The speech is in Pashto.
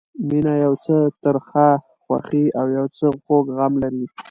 مینه یو څه ترخه خوښي او یو څه خوږ غم لري.